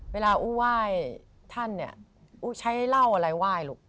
เวลาอู้ไหว้ท่านอู้ใช้เหล้าอะไรไหว้ลูก